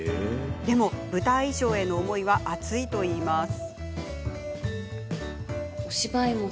でも、舞台衣装への思いは熱いといいます。